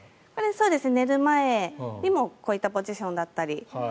そうです、寝る前にもこういったポジションだったり。